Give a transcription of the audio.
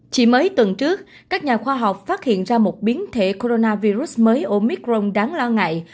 chỉ mới tuần trước các nhà khoa học phát hiện ra một biến thể coronavirus mới omicron đáng lo ngại